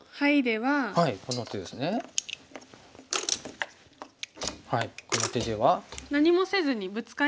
はい。